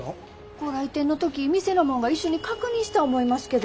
ご来店の時店の者が一緒に確認した思いますけど。